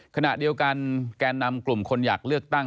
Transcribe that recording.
ขณะเดียวกันแกนนำกลุ่มคนอยากเลือกตั้ง